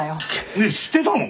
えっ知ってたの？